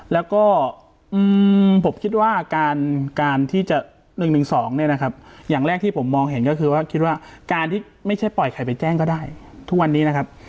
แล้วก็ผมคิดว่าการที่จะ๑๑๒เนี่ยนะครับอย่างแรกที่ผมมองเห็นก็คือว่าคิดว่าการที่ไม่ใช่ปล่อยใครไปแจ้งก็ได้ทุกวันนี้นะครับ